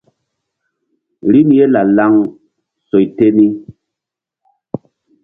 Rim ye la-laŋ soy te ni.